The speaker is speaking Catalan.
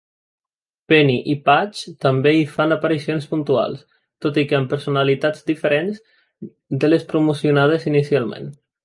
Penny i Patch també hi fan aparicions puntuals, tot i que amb personalitats diferents de les promocionades inicialment.